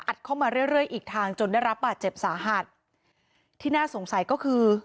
เข้ามาเรื่อยเรื่อยอีกทางจนได้รับบาดเจ็บสาหัสที่น่าสงสัยก็คือ